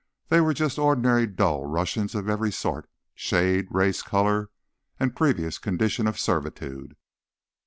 They were just ordinary, dull Russians of every sort, shade, race, color and previous condition of servitude.